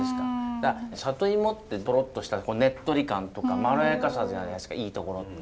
だから里芋ってドロッとしたねっとり感とかまろやかさじゃないですかいいところって。